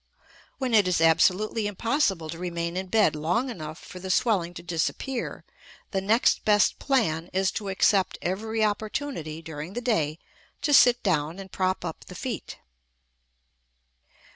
When it is absolutely impossible to remain in bed long enough for the swelling to disappear, the next best plan is to accept every opportunity, during the day, to sit down and prop up the feet.